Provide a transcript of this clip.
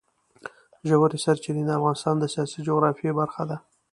ژورې سرچینې د افغانستان د سیاسي جغرافیه برخه ده.